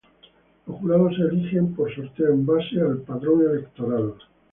Los jurados se eligen por sorteo en base al Padrón Electoral.